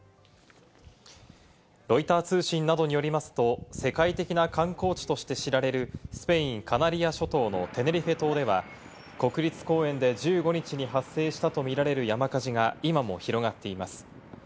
ロイター通信などによりますと、世界的な観光地として知られるスペイン・カナリア諸島のテネリフェ島では、国立公園で１５日に発生したと見られる山火事が今も広がっています。